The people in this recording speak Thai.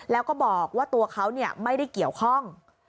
แล้วก็บอกว่าตัวเขาไม่ได้เกี่ยวข้อง